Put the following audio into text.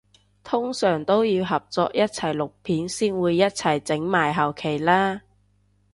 通常都要合作一齊錄片先會一齊整埋後期啦？